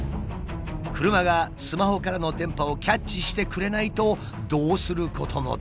車がスマホからの電波をキャッチしてくれないとどうすることもできない。